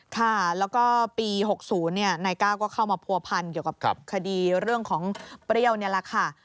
ค่ะแล้วก็ปี๖๐นายก้าวก็เข้ามาผัวพันเกี่ยวกับคดีเรื่องของเปรี้ยวนี่แหละค่ะ